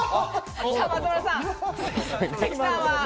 松丸さん。